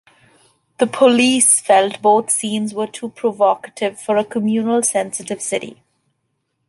The police felt both scenes were too "provocative" for a "communally sensitive" city.